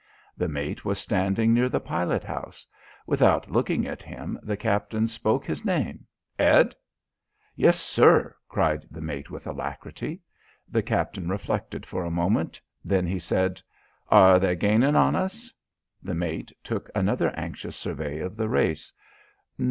The mate was standing near the pilot house. Without looking at him, the captain spoke his name. "Ed!" "Yes, sir," cried the mate with alacrity. The captain reflected for a moment. Then he said: "Are they gainin' on us?" The mate took another anxious survey of the race.